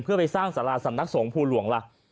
เพื่อไปสร้างสรรค์สรรพสงคร์ภูลหลวงละ